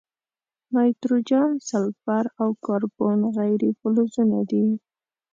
نایتروجن، سلفر، او کاربن غیر فلزونه دي.